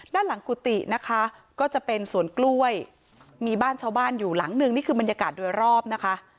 ด้านหลังกุฏินะคะก็จะเป็นสวนกล้วยมีบ้านชาวบ้านอยู่หลังนึงนี่คือบรรยากาศโดยรอบนะคะ